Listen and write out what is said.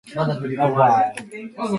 アップルパイ